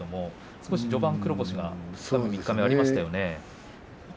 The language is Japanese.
少し、序盤黒星がありましたね。